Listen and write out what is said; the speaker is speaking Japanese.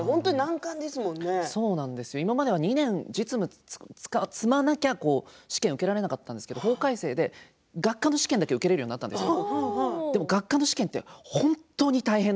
今までは２年実務を積まなければ試験を受けられなかったんですが法改正で学科試験だけで受けられるようになったんですよ。